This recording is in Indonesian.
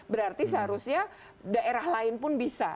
berarti seharusnya daerah lain pun bisa